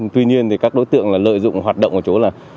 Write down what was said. tuy nhiên thì các đối tượng lợi dụng hoạt động ở chỗ là